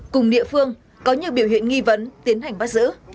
cùng địa phương có nhiều biểu hiện nghi vấn tiến hành bắt giữ